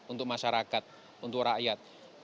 untuk masyarakat untuk rakyat